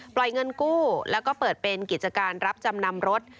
เงินกู้แล้วก็เปิดเป็นกิจการรับจำนำรถ